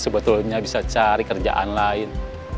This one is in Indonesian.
sebetulnya bisa cari kerjaan lain